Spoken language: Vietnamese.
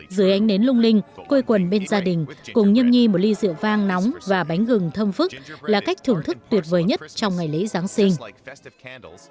dưới ánh nến lung linh quây quần bên gia đình cùng nhiêm nhi một ly rượu vang nóng và bánh gừng thơm phức là cách thưởng thức tuyệt vời nhất trong ngày lễ giáng sinh